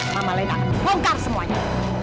mama lena akan bongkar semuanya